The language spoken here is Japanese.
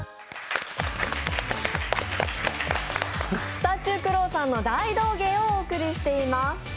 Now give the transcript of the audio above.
スタチュークロウさんの大道芸をお送りしています。